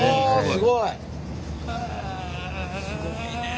すごいね。